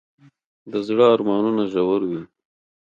د زړه ارمانونه ژور وي.